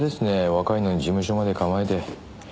若いのに事務所まで構えて。